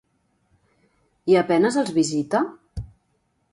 I a penes els visita?